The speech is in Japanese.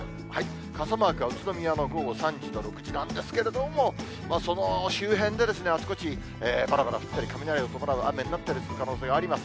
傘マークは宇都宮の午後３時と６時なんですけれども、その周辺で、あちこちぱらぱら降ったり、雷を伴う雨になってる可能性があります。